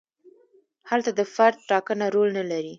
هلته د فرد ټاکنه رول نه لري.